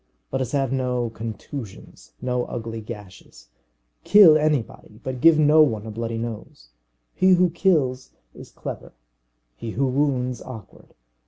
Let us have no contusions, no ugly gashes. Kill anybody, but give no one a bloody nose. He who kills is clever, he who wounds awkward.